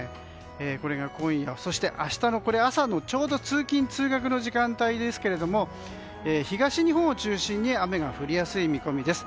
これが今夜、そして明日の朝の通勤・通学の時間帯ですが東日本を中心に雨が降りやすい見込みです。